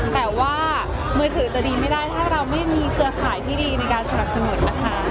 แต่ว่ามือถือจะดีไม่ได้ถ้าเราไม่มีเครือข่ายที่ดีในการสนับสนุนนะคะ